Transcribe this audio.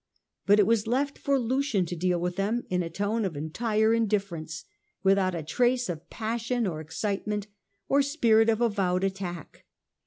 But it was left for Lucian to deal with them in a tone of entire indifference, without a trace of passion or excitement, or spirit of avowed attack.